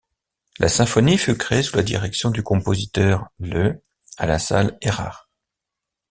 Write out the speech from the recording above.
La symphonie fut créée sous la direction du compositeur le à la salle Érard.